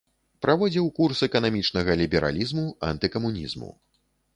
Праводзіў курс эканамічнага лібералізму, антыкамунізму.